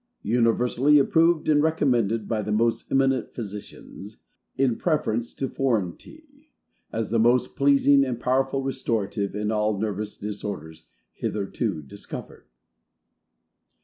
UNIVERSALLY APPROVED and RECOMMENDED BY THE MOST EMINENT PHYSICIANS, IN PREFERENCE TO FOREIGN TEA, As the most Pleasing and POWERFUL RESTORATIVE, IN ALL NERVOUS DISORDERS, HITHERTO DISCOVERED.